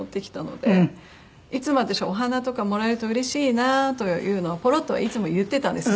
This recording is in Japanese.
いつも私お花とかもらえるとうれしいなとかいうのはポロッとはいつも言ってたんです。